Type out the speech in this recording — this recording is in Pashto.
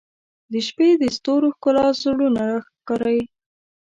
• د شپې د ستورو ښکلا زړونه راښکاري.